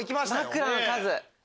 枕の数。